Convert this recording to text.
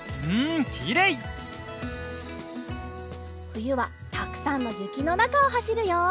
ふゆはたくさんのゆきのなかをはしるよ。